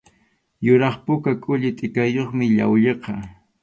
Yuraq puka kulli tʼikayuqmi llawlliqa.